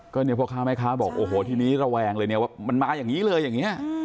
ก็เนี่ยพ่อค้าแม่ค้าบอกโอ้โหทีนี้ระแวงเลยเนี่ยว่ามันมาอย่างนี้เลยอย่างนี้